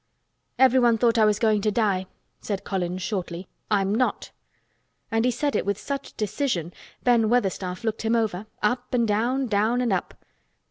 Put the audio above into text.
"Everyone thought I was going to die," said Colin shortly. "I'm not!" And he said it with such decision Ben Weatherstaff looked him over, up and down, down and up.